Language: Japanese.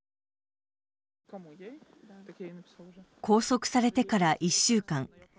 拘束されてから１週間。